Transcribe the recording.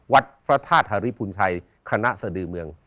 วัดพระธาตุฮาริพุนชัยคณะสดือเมือง